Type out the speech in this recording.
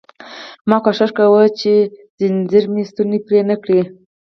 ما کوښښ کاوه چې خنجر مې ستونی پرې نه کړي